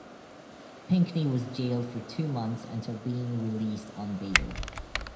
Pinckney was jailed for two months until being released on bail.